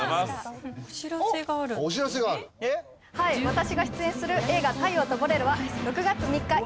私が出演する映画『太陽とボレロ』は６月３日